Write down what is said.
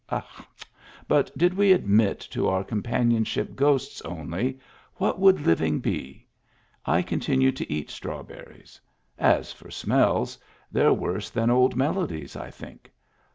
... But did we admit to our com panionship ghosts only, what would living be.^ I continue to eat strawberries. As for smells, they're worse than old melodies, I think.